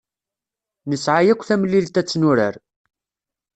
Nesɛa yakk tamlilt ad tt-nurar.